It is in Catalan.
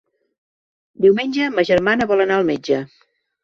Diumenge ma germana vol anar al metge.